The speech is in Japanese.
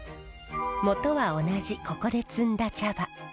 元は同じここで摘んだ茶葉。